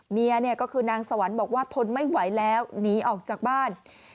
เมียเนี่ยก็คือนางสวรรค์บอกว่าทนไม่ไหวแล้วหนีออกจากบ้าน